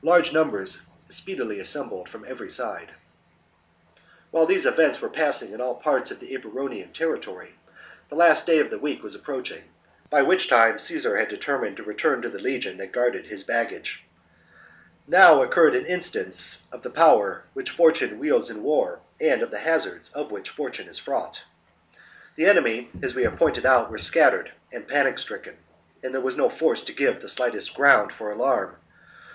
Large numbers speedily assembled from every side. TheSu 35. While these events were passing in all parts spend to the of thc Eburonian territory, the last day of the but deter ' wcek was approachiug, by which time Caesar had mine to ,., t 1 ., attack determmed to return to the legion that guarded his baggage. Now occurred an instance of the power which Fortune wields in war and of the hazards with which Fortune is fraught. The AMBIORIX 197 enemy, as we have pointed out, were scattered 53 b.c. and panic stricken, and there was no force to give the sHghtest ground for alarm.